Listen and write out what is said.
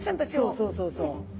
そうそうそうそう。